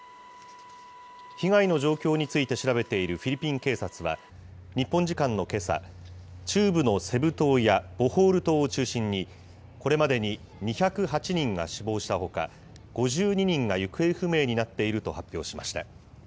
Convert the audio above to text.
被害の状況について調べているフィリピン警察は、日本時間のけさ、中部のセブ島やボホール島を中心に、これまでに２０８人が死亡したほか、５２人が行方不明になっていると発表しました。